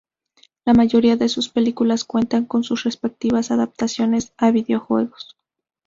La mayoría de sus películas cuentan con sus respectivas adaptaciones a videojuegos.